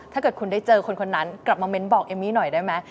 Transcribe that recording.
ถ้าเกิดคุณได้เจอคนคนนั้นกลับมาเน้นบอกเอมมี่หน่อยได้ไหม